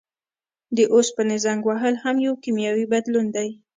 د اوسپنې زنګ وهل هم یو کیمیاوي بدلون دی.